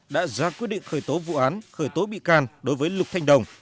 đã ra quyết định khởi tố vụ án khởi tố bị can đối với lục thanh đồng